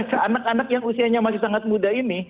tapi luar biasa anak anak yang usianya masih sangat muda ini